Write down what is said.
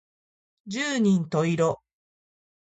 十人十色